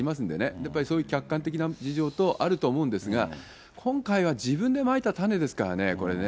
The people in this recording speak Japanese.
やっぱりそういう客観的な事情等もあると思うんですが、今回は自分でまいた種ですからね、これね。